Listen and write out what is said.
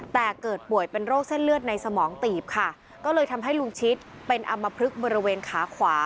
แต่เกิดป่วยเป็นโรคเส้นเลือดในสมองตีบค่ะก็เลยทำให้ลุงชิดเป็นอำมพลึกบริเวณขาขวา